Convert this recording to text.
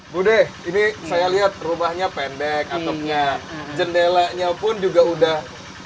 bu deh ini saya lihat rumahnya pendek atapnya jendelanya pun juga udah